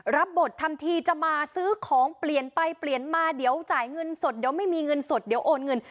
รับบททำทีจะมาซื้อของเปลี่ยนไปเปลี่ยนมาเดี๋ยวจ่ายเงินสดเดี๋ยวไม่มีเงินสดเดี๋ยวโอนเงิน